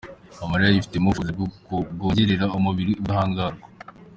Amarira yifitemo ubushobozi bwongerera umubiri ubudahangarwa.